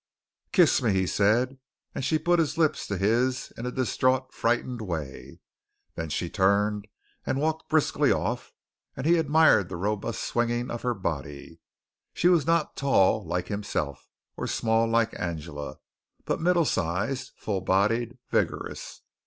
"Kiss me," he said, and she put her lips to his in a distraught frightened way. Then she turned and walked briskly off and he admired the robust swinging of her body. She was not tall, like himself, or small like Angela, but middle sized, full bodied, vigorous.